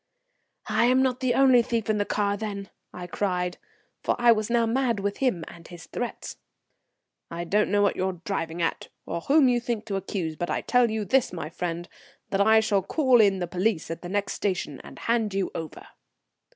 "I'm not the only thief in the car, then," I cried, for I was now mad with him and his threats. "I don't know what you're driving at, or whom you think to accuse; but I tell you this, my friend, that I shall call in the police at the next station and hand you over."